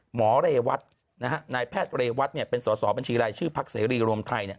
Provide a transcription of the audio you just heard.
หมอเรวัตนายแพทย์เรวัตเป็นสอสอบัญชีรายชื่อพักเสรีรวมไทย